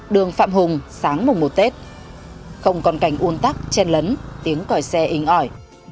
đường phạm hùng sáng mùa một tết không còn cảnh uôn tắc chen lấn tiếng còi xe inh ỏi